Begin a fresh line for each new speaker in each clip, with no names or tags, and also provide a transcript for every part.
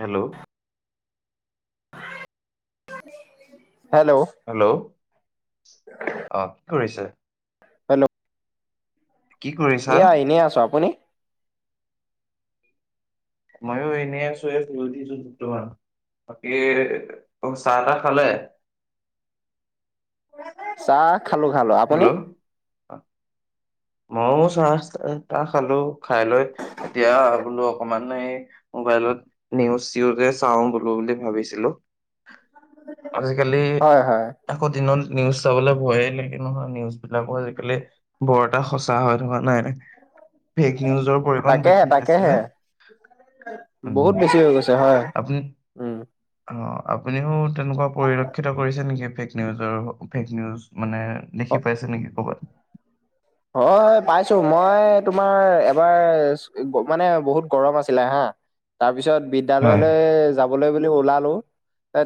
Hello
[unintelligible] hello
অ কি কৰিছে?
হেল্ল'
কি কৰিছা
এয়া এনেই আছো, আপুনি?
ময়ো এনেই আছোঁ এ শুই উঠিছোঁ বৰ্তমান বাকী ত চাহ টাহ খালে।
চাহ খালো খালো আপুনি
হেল্ল' মইও চাহ তাহ খালো খাই লৈ এতিয়া বোলো অকমান এই মোবাইলত নিউজ চউজ চাওঁ গলো বুলি ভাবিছিলো আজিকালি
হয় হয়
আকৌ দিনত নিউজ চাবলৈ ভয়ে লাগে। স নহয় নিউজ বিলাকো আজিকালি বৰ এটা সচা হৈ থকা নাই ফেক নিউজৰ পৰিমণ
তাকেহে
বৃদ্ধি পাইছে
তাকেহে
যে উ
বহুত বেছি হৈ গৈছে হয়
আপুনি
উম
অ আপুনিও তেনেকুৱা পৰিলক্ষিত কৰিছে নেকি ফেক নিউজৰ ফেক নিউজ মানে দেখি পাইছে নেকি ক'ৰবাত
হয় পাইছো মই তোমাৰ এবাৰ মানে বহুত গৰম আছিলে হা তাৰপিছত
হয়,
বিদ্যালয়লৈ যাবলৈ বুলি ওলালোঁ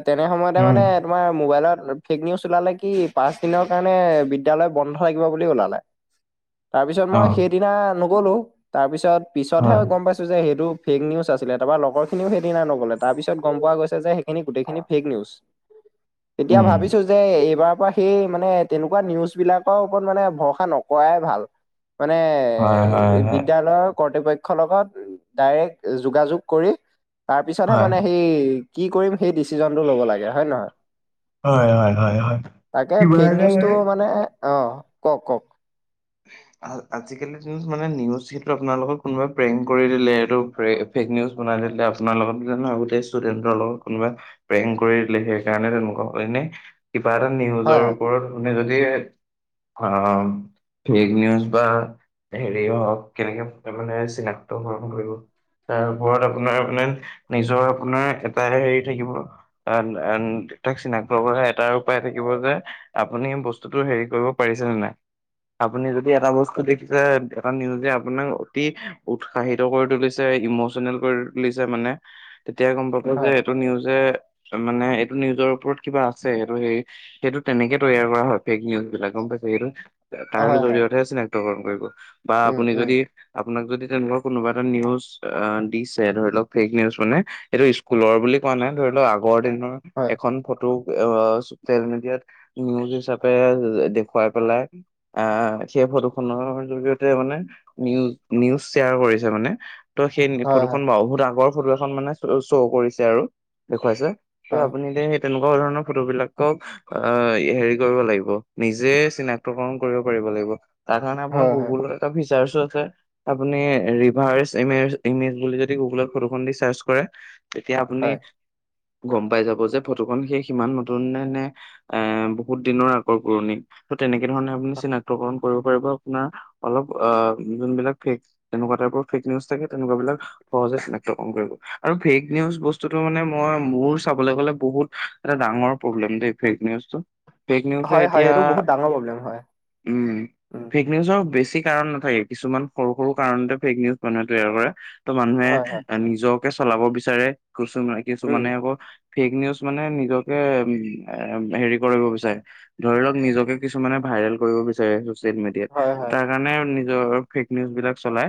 তেনে সময়তে
উম,
মানে তোমাৰ মোবাইলত ফেক নিউজ ওলালে কি পাঁচ দিনৰ কাৰণে বিদ্যালয় বন্ধ থাকিব বুলি ওলালে । তাৰ পিছত মই
অ',
সেইদিনা নগলো তাৰ পিছত পিছতহে
হয়,
গম পাইছো যে সেইটো ফেক নিউজ আছিলে তাৰপৰা লগৰখিনিও সেইদিনা নগ'লে তাৰপিছত গম পোৱা গৈছে যে সেইখিনি গোটেইখিনি ফেক নিউজ। তেতিয়া
উম,
ভাবিছো যে এইবাৰ ত সেই মানে তেনেকুৱা নিউজ বিলাকৰ ওপৰত মানে ভৰসা নক কৰাই ভাল মানে
হয়, হয়, হয়।
বিদ্যয়ালয়ৰ কৰ্তৃপক্ষ ৰ লগত ডাইৰেক্ট যোগাযোগ কৰি তাৰপিছতহে
হয়,
মানে সেই কি কৰিম সেই ডিচিজনটো ল'ব লাগে হয়ে নহয়
হয়, হয়, হয়, হয়,
তাকে
কিবা
ফেক
এটা
নিউজটো মানে অ কওক কওক
আজিকালিৰ দিনত মানে নিউজ সেইটো আপোনাৰ লগত কোনোবা প্ৰেং কৰি দিলে এইটো ফেক নিউজ বনাই দিলে আপোনাৰ লগত গোটেই ষ্টুডেন্টৰ লগত কোনোবা প্ৰেং কৰি দিলে সেইকাৰণে তেলকুৱা এনে কিবা এটা
হয়
নিউজৰ
হয়
ওপৰত মানে যদি অ নি বা হ হ কেনেকেে চিনাক্ত কৰিব তাৰ ওপৰত আপোনাৰ মানে নিজৰ আপোনাৰ এটা হেৰি থাকিব চিনাক্ত এটা উপায় থাকিব যে আপুনি বস্তুটো হে কৰিব পাৰিছে নাই আপুনি যদি এটা বস্তু দেখিছে এটা নিউজে আপোনাক অতি উৎসাহিত কৰি তুলিছে ইমচনেল কৰি তুলিছে মানে তেতিয় গম পাব যে
হয়
এইটো নিউজে মানে এইটো নিউজৰ ওপৰত কিবা আছে সটো সে সেইটো তেনেকে তৈয়াৰ কৰা হয় ফেক নিউজ বিলাক গম পাইছে সেইটো তাৰো
হয় হয়
জৰিয়তেে আ নেি অণ কৰিব । বা
উম
আপুনি
উম
যদি আপোনাক যদি তেনেকুৱা কোনোবা এটা নিউজ দিছে ধৰি লওক ফেক নিজ মানে এইটো স্কুলৰ বুলি কোৱা নাই ধৰি ল গৰ দিনৰ
হয়
এখন ফটো । চচিয়েল মিডিয়াত নিউজ হিচাপে দেখুৱাই পেলাই। আহ সেই ফটোখনৰ জৰিয়তে মানে নিউজ নিউজ শ্বেয়াৰ কৰিছে মানে ত' সেই
হয় হয়
ফটোখন ব বহুত আগৰ ফটো এখন মানে শ্ব' কৰিছে আৰু দেখুৱাইছে ত
হয়,
আপুনি এ সেই তেনেকুৱা ধৰণৰ ফটোবলাকক অ হেৰি কৰিব লাগিব নিজে চিনাক্তকৰণ কৰিব পাৰিব লাগিব ত কাৰণে আপোনাৰ
হয়, হয়,
গুগলৰ এটা ভিছ আছে আপুনি ৰিভাৰ যদি গুগলত ফটোখন দি চাৰ্চ কৰে তেতিয়া আপুনি
হয়।
গম পাই যাব যে ফটোখন সেই সিমান নতুন নে এ বহুত দিনৰ আগৰ পুৰণি ত' তেনেকে ধৰণে নাট্্যকৰ আ অলক থাকে তেকুৱাক স আৰুক্তু ম ম মোৰুাৰ দ
হয় হয় এইটো বহুত ডাঙৰ প্ৰব্লেম হয়
উম
উম,
ফেক নিউজৰ বেছিক কাৰণ নাথাকে কিছুমান সৰু সৰু কাৰণতে ফেক নিউজ মানুহে তৈয়াৰ কৰে মানুহে
হয়, হয়,
নিজক চলাব বিচাৰে কছুানে
উম,
কিছুমানানে হবৌ ফেক নিউজ মানে নিজকে হেৰি কৰিব বিচাৰে ধৰি লওক নিজকে কিছুমানে ভাইৰেল কৰিব বিচাৰে মডিয়াত
হয়, হয়,
তাৰ কাৰণে নিজৰ ফেক নিউজ বিলাক চলাই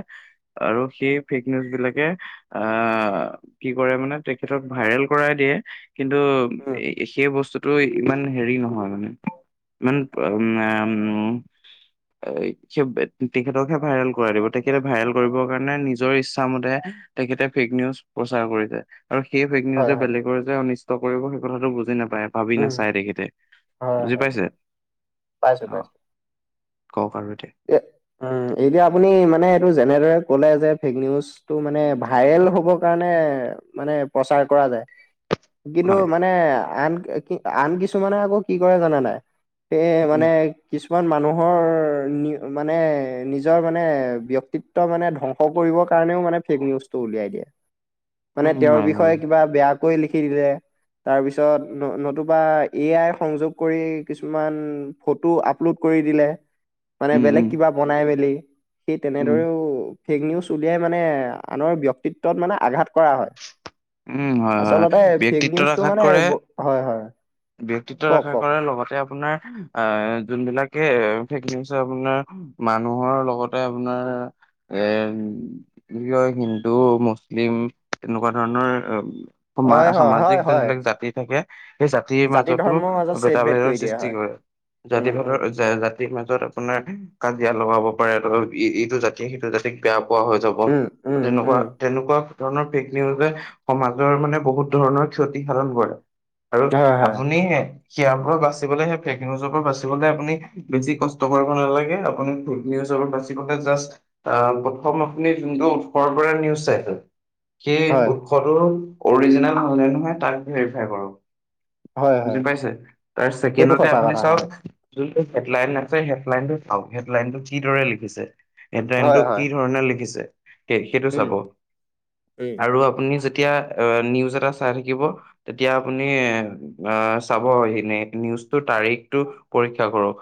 আৰু সেই ফেক নিউজ বিলাকে আহ কি কৰে মানে তেখেতক ভাইৰেল কৰাই দিয়ে কিন্তু
উম,
সেই বস্তু তটো ইমান হেৰি নহয় মানে ইমান উ স তেখেতকহে ভাইৰেল কৰাই দিব তেখেতে ভাইৰেল কৰিবৰ কাৰণে নিজৰ ইচ্ছা মতে তেখেতে ফেক নিউজ প্ৰচাৰ কৰিছে আৰু সেই ফেক
হয়,
নিউজে
হয়,
বেলেগৰ যে কৰিব সেই কথাটো বুজি নাম ভাবি
উম,
নাচাই দেখেতে
হয়,
বুজি
হয়,
পাইছে
পাইছো
অ
পাইছো
কওক আৰু এতিয়া
উম এতিয়া আপুনি মানে এইটো যেনেদৰে ক'লে যে ফেক নিউজটো মানে ভাইৰেল হ'বৰ কাৰণে মানে প্ৰচাৰ কৰা যায় কিন্তু
হয়
মানে আন আন কিছুমানে আকৌ, কি কৰে জানা নাই! এ, মানে
উম
কিছু কিছমান মানুহৰ নিজৰ মানে নিজৰ মানে, ব্যক্তিত্ব মানে ধ্বংস কৰিবৰ কাৰণেও মানে, ফেক নিউজটো উলিয়াই দিয়ে। মানে,
উম
তেওঁৰ
হয় হয়
বিষয়ে কিবা বেয়া কৈ লিখি দিলে। তাৰপিছত নতুবা এ আই সংযোগ কৰি কিছুমান ফটো আপলোড কৰি দিলে। মানে,
উম
বেলেগ
উম
কিবা বনাই মেলি সেই
উম
তেনেদৰেও ফেক নিউজ উলিয়াই মানে, আনৰ ব্যক্তিত্বত মানে আঘাত কৰা হয়।
উম হয় হয় হয়।
আচলতে ফেক
ব্যক্তিত্বত
নিউজটো
আঘাত
মানে,
কৰে
হয়, হয়।
ব্যক্তিত্ব
কওক
আঘাত
কওক
কৰাৰ লগতে আপোনাৰ আ' যোনবিলাক কে আপোনাৰ মানুহৰ লগতে আপোনাৰ এ, কি কয়! হিন্দু মুছলিম তেনেকুৱা ধৰণৰ সমা
হয় হয় হয়
সামাজিক
হয়
যোনবিলাক জাতি থাকে। তিৰ
জাতি
মাজতো
ধৰ্মৰ মাজত চেদ ভেদ
ভেদাভেদৰ
কৰি দিয়া
সৃষ্টি
হয়
কৰে।
উম
জাতি
উম
বেদৰ জাতি জাতিৰ মাজত আপোনাৰ কাজিয়া লগাব পাৰে। ইটো জাতি সিটো জাতিক বেয়া পোৱা হৈ যাব।
উম উম উম
তেনেকুৱা, তেনেকুৱা ধৰণৰ ফেক নিউজে, সমাজৰ মানে বহুত ধৰণৰ ক্ষতি সাধন কৰে। আৰু
হয় হয়
আপুনি ইয়াৰ পৰা বাচিবলে হে ফেক নিউজৰ পৰা বাচিবলে আপুনি বেছি কষ্ট কৰিব নালাগে। আপুনি নিউজৰ পৰা বাচিবলে যাষ্ট, আ' প্ৰথম আপুনি যোনটো [unintelligible] নিউজ চাই সেই
হয়
উৎসটো অৰিজিনেল হয় নে নহয় তাক ভেৰিফাই কৰাম।
হয়
বুজি
হয়
পাইছে, তাৰ
সেইটো
ছেকেণ্ডতে
সঁচা
আপুনি
কথা হয়
চাওক যোনটো হেডলাইন আছে হেডলাইনটো সেইড লাইনটো কিদৰে লিখিছে
হয়
এট্ৰনটো
হয়
কি ধৰণে লিখিছে। সেইটো
উম
চাব
উম
আৰু আপুনি যে যেতিয়া নিউজ এটা চাই থাকিব, তেতিয়া আপুনি অ' চাব সেইখিনি, নিউজটোৰ তাৰিখতটো পৰীক্ষা কৰক।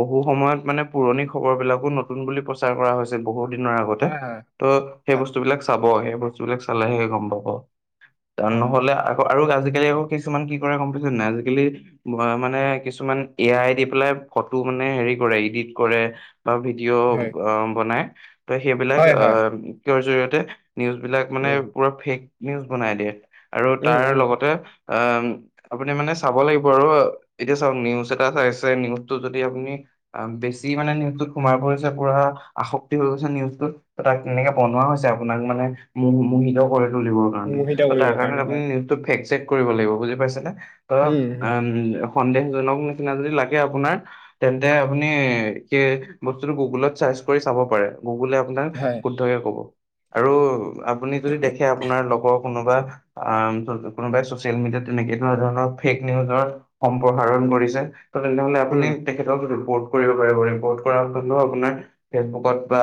বহু সময়ত মানে পুৰণি খবৰ বিলাকো নতুন বুলি প্ৰচাৰ কৰা হৈছে বহুত। এদিনৰ আগতে,
হয় হয় হয়
ত' সেই বস্তুবিলাক চাব চাব। এই বস্তুবিলাক চালেহে গম পাব। ত'
হয়,
নহ'লে আৰু আজিকালি আকৌ কিছুমান কি কৰে গম ত আজিকালি মানে কিছুমান এ আই দি পেলাই ফটো মানে হেৰি কৰে ইডিট কৰে বা
হয়,
ভিডিঅ' বনায় [inaudible] ত সেইবিলাক
হয়,
অ
হয়।
ৰ জৰিয়তে নিউজবিলাক মানে
উম,
পুৰা ফেক নিউজ বনাইলেিয়ট আৰু
উম,
তাৰ
উম।
লগতে অ আপুনি মানে চাব লাগিব আৰু এতিয়া চাওক নিউজ এটা চাইছে নিউজটো যদি আপুনি বেছি মানে নিজত সোমাই পৰিছে পুৰা আসক্তি হৈ গৈছে নিউজটোত তাক কেনেকে বনোৱা হৈছে আপোনাক মানে ম মোহিত কৰি তৰ কাৰণে
মোহিত
ত তাৰ
কৰিবৰ
কাৰণে আপুনি
হয়।
নিউজেক চে কৰিব লাগিব বুজি পাইছে [inaudible] অ উম িু স ব্তুাৰে গুগুললে আপোনাক
হয়।
শুদ্ধকে কব আৰু আপুনি যদি দেখে আপোনাৰ লগক কোনোবা কোনোবাই চচিয়েল মিডিয়া তেনেকে তেনেুৱ ধৰণৰ ফেক নিউজৰ সম্প্ৰসাৰণ কৰিছে ত তেনেহ' আপুনি
উম,
তেখেতক দিব ৰ্ কৰিব পাৰিব ৰিপৰ্ট কৰা হলে আপোনাৰ ফেচবুকত বা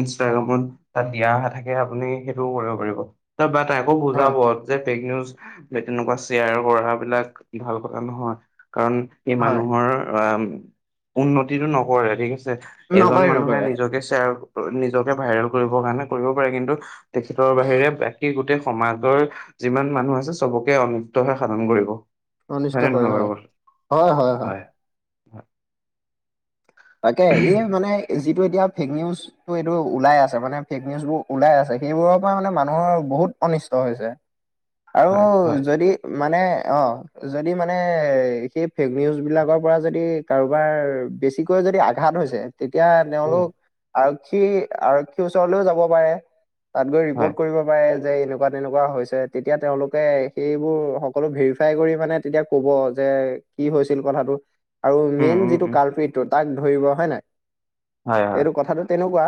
ইনষ্টাগ্ৰামত তাত দিয়া অহা থাকে আপুনি সেইটোও কৰিব পাৰিব বা তকো
হয়,
বুজাব যে ফেক নিউজ বা তেনেকুৱা শ্বেয়াৰ পঢ় বিলাক ভাল কথা নহয় কাৰণ এই
হয়,
মানুহৰ উন্নতিতটো নকৰে ঠিক আছে এজন
নকৰে
মানুহে
নকৰে,
নিজকে শ্বেয়াৰ নিজকে ভাইৰেল কৰিবৰ কাৰণে কৰিব পাৰে কিন্তু তেটৰ বাহিৰে বাকী গোটেই সমাজৰ যিমান মানুহ আছে চবকে অনপ হৈ সাধন কৰিব
অনিষ্ট
হয়নে নহয়
কৰে
বাৰু কথা?
হয় হয় হয় হয়
হয়
তাকে এই মানেি টো এতিয়া ফেক নিউজটো এইটো ওলাই আছে মানে ফেক নিউজ বোৰ ওলাই আছে সেইবোৰৰ পৰা মানে মানুহৰ বহুত অনিষ্ট হৈছে [unintelligible] আৰু
হয় হয়
যদি মানে অ, যদি মানেএএ সেই ফেক নিউজ বিলাকৰ পৰা যদি কাৰোবাৰ বেছিক [unintelligible] কৈ যদি আঘাত হৈছে তেতিয়া
উম
তেওঁলোক আৰু আৰক্ষী আৰক্ষীৰ ওচৰলৈও যাব পাৰে তাত গৈ ৰিপৰ্ট
হয়
কৰিব পাৰে যে এনেকুৱা তেনেকুৱা হৈছে তেতিয়া তেওঁলোকে সেইবোৰ সকলো ভেৰিফাই কৰি মানে তেতিয়া কব যে কি হৈছিল কথাটো আৰু
উম
মেইন
উম
যিটো
উম
কাল্প তাক ধৰিব হয় নাই
হয় হয়
এইটো কথাটো তেনেকুৱা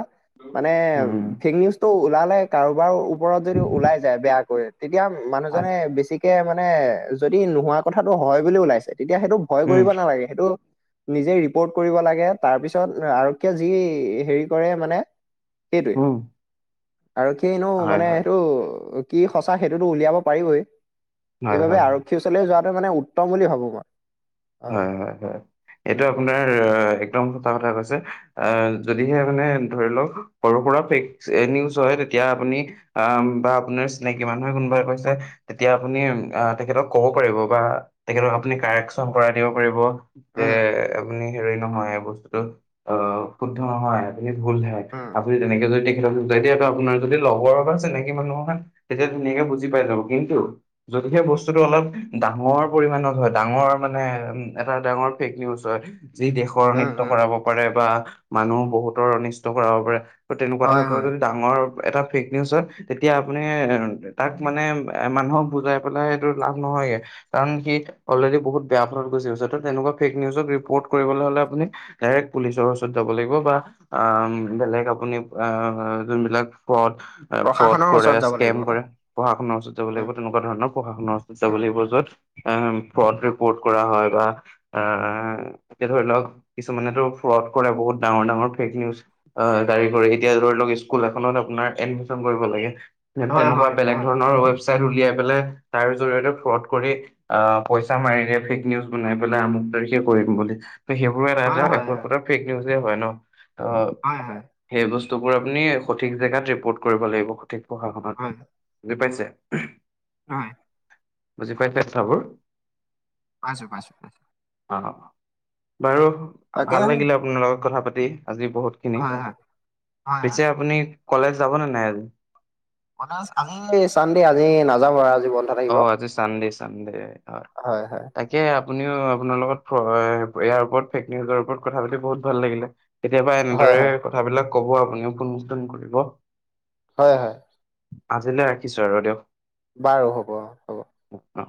মানে
উম
ফেক নিউজটো ওলালে কাৰোবাৰ ওপৰত যদি ওলাই যায় বেয়াকৈ [unintelligible] তেতিয়া
হয়
মানুহজনে বেছি তাকেই মানে, যদি নোহোৱা কথাটো হয় বুলি ওলাইছে তেতিয়া সেইটো ভয়
উম
কৰিব নালাগে সেইটো নিজেই লাগে তাৰপিছত আৰক্ষীয়ে যি হেৰি কৰে মানে সেইটোৱে
উম
আৰু সনো
হয়
মানে
হয়
সেইটো কি সঁচা সেইটোতো উলিয়াব পাৰিবই।
হয়
সেইবাবে
হয়
আৰক্ষী ওচৰলে যোৱা মানে উত্তম বুলি ভাবো মই
হয় হয় হয় এইটো
উম
আপোনাৰ হয়। একদম সঁ‌চা কথা কৈছে। এএ যদিহে মানে ধৰি লওক সৰু সুৰা ফেক নিউজ হয় তেতিয়া আপুনি আআ বা আপুনাৰ চিনাকি মানুহে কোনোবাই কৈছে, তেতিয়া আপুনি তেখেতক কব পাৰিব বা তেখেতক আপুনি কাৰেকচ [unintelligible] চম্পৰাই দিব পাৰিব [unintelligible] যে
উম
আপুনি হ নহয় বস্তুতটো অ শুদ্ধ নহয় ভুলঠায়ক
উম
আপুনি তেনেকে যদি [unintelligible] তেতিয়ো আপোনাৰ যদি লগৰৰ বা আছে নেকি মানুহৰ খ তেতিয়া ধুনীয়াকে বুজি পাই যাব কিন্তু যদি সেই বস্তুটো অলপ ডাঙৰ পৰিমণত হয় ডাঙৰ [unintelligible] মানে উ এটা ডাঙৰ ফেক নিউজ হয় যি দেশৰ
উম
নৃত্য
উম
কৰাব পাৰে বা মানুহ বহুতৰ অনিষ্ট কৰা হব পাৰে ত' তেনেকুৱা ঠাই
হয়
পৰা
হয়
যদি ডাঙৰ এটা ফেক নিউজত তেতিয়া আপুনি তাক মানে মানুহক বুজাই পেলাই সেইটো লাভ নহয়গে। কাৰণ সি অলৰেডি বহুত বেয়া ফলত গুচি গৈছে ত তেনেকুৱা ফেক নিউজত ৰিপৰ্ট কৰিবলৈ হলে আপুনি ডাইৰেক্ট পুলিচৰ ওচৰত যাব লাগিব বা বেলেগ আপুনি যোনবিলাক পথ [unintelligible] ফ্ৰড
প্ৰশাসনৰ
কৰে
ওচৰত যাব
স্কেম
লাগিব
কৰে
হয়
পঢ়া শুনাৰ ওচৰত যাব লাগিব
উম
তেনেকুৱা ধৰণৰ পঢ়া শুনাৰ ওচৰত যাব
উম
লাগিব
উম
য'ত [unintelligible] অ প ফ্ৰড কৰা হয় বা এএএ এতিয়া ধৰি লওক কিছুমানেতো ফ্ৰল্ড কৰে বহুত ডাঙৰ ডাঙৰ ফেক নিউজ অ' জাৰি কৰি। এতিয়া ধৰি লওক স্কুল এখনত আপোনাৰ এডমিচন কৰিব লাগে
হয়
তেনেকুৱা
হয়
বেলেগ
হয়
ধৰণৰ ৱেব উলায়াই পেলাই তাৰ জৰিয়তে ফ্লড কৰি আ পইচা মাৰি। ফেক নিউজ বনাই পেলাই আমুক তাৰিখে কৰিম বুলি সেইবোৰে
হয়
নাযাওঁ একো
হয় হয়
এক ফেক নিউজ। হয় ন। ত
হয় হয়
সেই বস্তু। বস্তুবোৰ আপুনি সঠিক জেগাত ৰিপৰ্ট কৰিব লাগিব সঠিক। পঢ়া শুনাত
হয়
বুজি পাইছে। [unintelligible]
হয়।
বুজি পাইছে কথা বোৰ
পাইছোঁ - পাইছোঁ - পাইছোঁ
অ অ। বাৰু
তাকে
ভাল লাগিলে আপোনাৰ লগত কথা পাত [inaudible] আজি বহুতখিনি
হয় হয় হয় হয়
পিছে আপুনি। কলেজ যাবনেে নাই আজি।
মানে আজি চান দে আজি নাযাম আৰু আজি বন্ধ থাকিব
অ' আজি চানডে চানডে
হয়। হয়
তাকে আ আপুনিও আপোনাৰ লগত ইয়াৰ ওপৰত ফেক নিউজৰ ওপৰত কথা পাতি বহুত ভাল লাগিলে। কেতিয়াবা
হয়
এনেদৰে
হয়
কথাবিলাক। কব আপুনিও অনুমষ্ঠন কৰিব।
হয় -হয়
আজিলৈ ৰাখিছো আৰু দিয়ক।
বাৰু হ'ব- হ'ব
অ'।